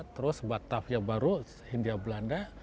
terus batavia baru hindia belanda